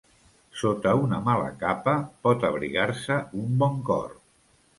Sota una mala capa pot abrigar-se un bon cor.